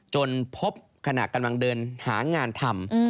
จนพบขณะกำลังเดินหางานทำ